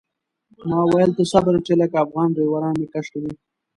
ما ویل ته صبر چې لکه افغان ډریوران مې کش کوي.